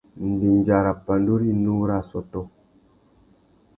Ndéndja râ pandú rinú râ assôtô.